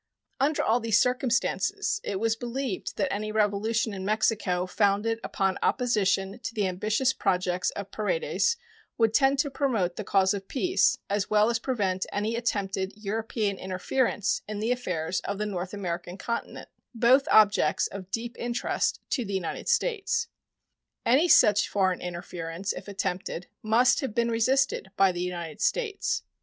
Under all these circumstances it was believed that any revolution in Mexico founded upon opposition to the ambitious projects of Paredes would tend to promote the cause of peace as well as prevent any attempted European interference in the affairs of the North American continent, both objects of deep interest to the United States. Any such foreign interference, if attempted, must have been resisted by the United States.